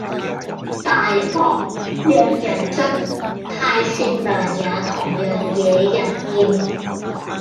大惡讓人憎，太善良也同樣惹人厭